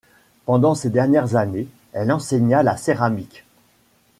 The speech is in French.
Pendant ses dernières années, elle enseigna la céramique.